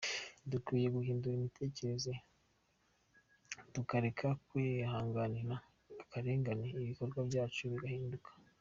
Dukwiye guhindura imitekerereze, tukareka kwihanganira akarengane, ibikorwa byacu bigahinduka.”